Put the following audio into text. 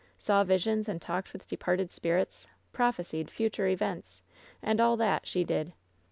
Saw visions and talked with departed spirits, prophesied future events, and all that, she did